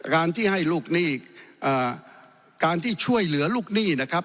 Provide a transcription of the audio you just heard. การที่ให้ลูกหนี้การที่ช่วยเหลือลูกหนี้นะครับ